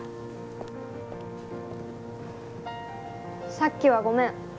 さっきはごめん。